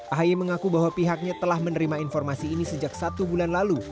ahy mengaku bahwa pihaknya telah menerima informasi ini sejak satu bulan lalu